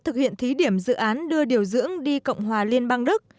thực hiện thí điểm dự án đưa điều dưỡng đi cộng hòa liên bang đức